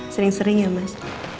sering sering ya mas